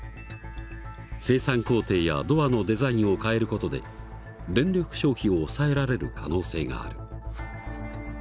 生産工程やドアのデザインを変える事で電力消費を抑えられる可能性がある。